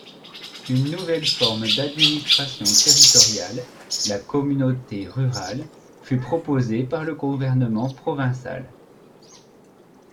Une nouvelle forme d'administration territoriale, la communauté rurale, fut proposée par le gouvernement provincial.